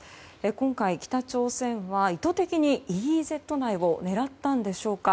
今回、北朝鮮は意図的にＥＥＺ内を狙ったんでしょうか。